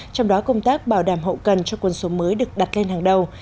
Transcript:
trong đó công tác bảo đảm hậu cần cho quân số mới được đặt lên hàng đầu